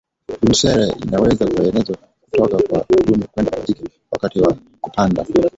Brusela inaweza kuenezwa kutoka kwa dume kwenda kwa jike wakati wa kupanda